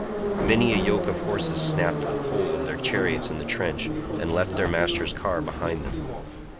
Many a yoke of horses snapped the pole of their chariots in the trench and left their master's car behind them.